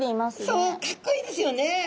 そうかっこいいですよね。